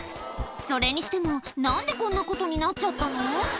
それにしても何でこんなことになっちゃったの？